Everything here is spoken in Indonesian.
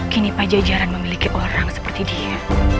kini pajajaran memiliki orang seperti dia